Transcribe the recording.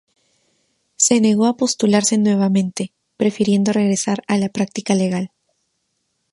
Se negó a postularse nuevamente, prefiriendo regresar a la práctica legal.